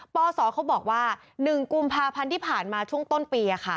ปศเขาบอกว่า๑กุมภาพันธ์ที่ผ่านมาช่วงต้นปี